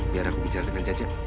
biar aku bicara dengan caca